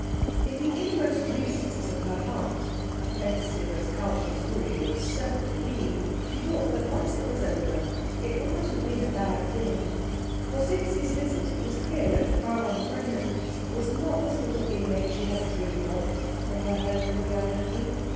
In the innermost recesses of her heart, offensive as Karlchen's wooing would certainly be, she thought that once it was over it would not have been a bad thing; for, since his visit, it was clear that Frau von Treumann was not the sort of inmate she had dreamed of for her home for the unhappy.